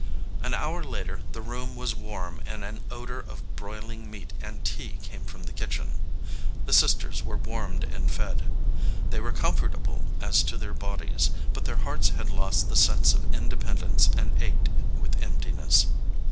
An hour later the room was warm and an odor of broiling meat and tea came from the kitchen. The sisters were warmed and fed. They were comfortable as to their bodies ; but their hearts had lost the sense of independence and ached with emptiness.